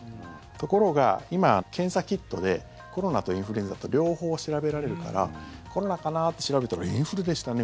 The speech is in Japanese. ところが今、検査キットでコロナとインフルエンザと両方調べられるからコロナかな？って調べたらインフルでしたね！